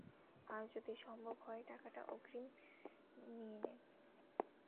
আর যদি সম্ভব হয়, টাকাটা অগ্রিম নিয়ে নে।